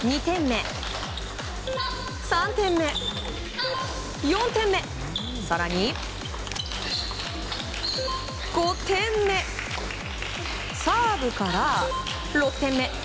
２点目、３点目、４点目更に５点目。